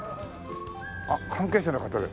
あっ関係者の方。